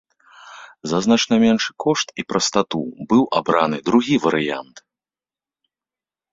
За значна меншы кошт і прастату быў абраны другі варыянт.